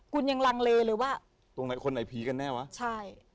คุณยังลังเลเลยว่าตรงไหนคนไหนผีกันแน่วะใช่